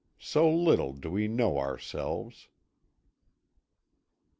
So little do we know ourselves."